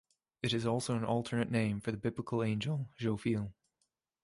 It is also an alternate name for the biblical angel Jophiel.